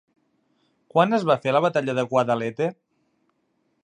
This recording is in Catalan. Quan es va fer la batalla de Guadalete?